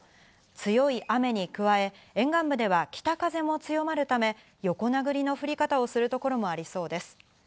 強い雨に加え、沿岸部では北風も強まるため、横殴りの降り方をする所もありそうです。